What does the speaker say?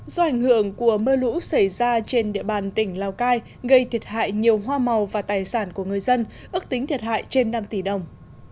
do ảnh hưởng của mưa lũ xảy ra trên địa bàn tỉnh lào cai gây thiệt hại nhiều hoa màu và tài sản của người dân ước tính thiệt hại trên năm tỷ đồng